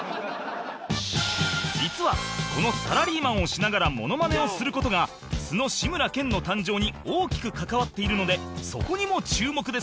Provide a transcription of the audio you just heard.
実はこのサラリーマンをしながらモノマネをする事が素の志村けんの誕生に大きく関わっているのでそこにも注目です